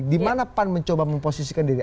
dimana pan mencoba memposisikan diri